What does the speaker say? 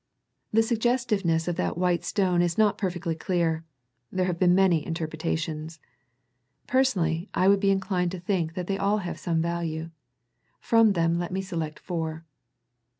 The sug gestiveness of that white stone is not perfectly clear. There have been many interpretations. Personally I would be inclined to think that they all have some value. From them let me select four.